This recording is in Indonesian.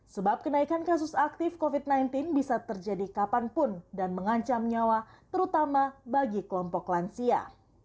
sebab kenaikan kasus aktif covid sembilan belas bisa terjadi kapanpun dan mengancam nyawa terutama bagi kelompok lansia